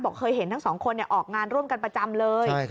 เคยเห็นทั้งสองคนออกงานร่วมกันประจำเลย